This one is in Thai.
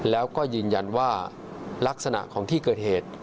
แล้วก็ยืนยันว่าลักษณะของที่เกิดเหตุ